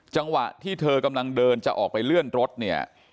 จังหวะที่เธอกำลังเดินจะออกไปเลื่อนรถเนี่ย